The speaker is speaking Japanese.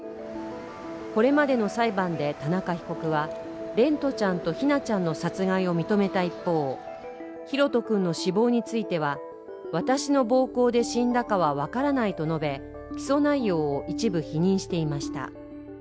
これまでの裁判で田中被告は蓮翔ちゃんと姫奈ちゃんの殺害を認めた一方大翔君の死亡については、私の暴行で死んだかは分からないと述べ、起訴内容を一部否認していました。